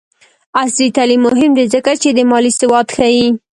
عصري تعلیم مهم دی ځکه چې د مالي سواد ښيي.